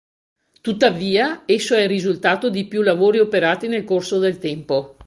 Tuttavia, esso è il risultato di più lavori operati nel corso del tempo.